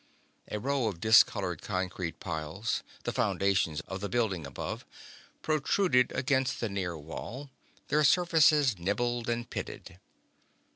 A row of discolored concrete piles, the foundations of the building above, protruded against the near wall, their surfaces nibbled and pitted.